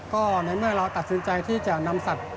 ก็ในเมื่อเราตัดสินใจที่จะนำสัตว์